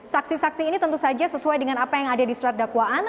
saksi saksi ini tentu saja sesuai dengan apa yang ada di surat dakwaan